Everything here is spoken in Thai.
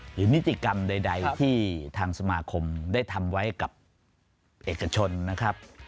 นิติกรรมใดที่ทางสมาคมได้ทำไว้กับเอกชนนะครับ